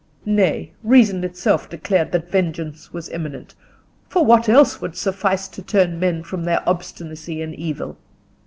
Nay, reason itself declared that vengeance was imminent, for what else would suffice to turn men from their obstinacy in evil?